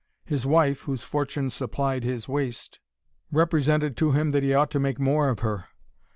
His wife, whose fortune supplied his waste, represented to him that he ought to make more of her.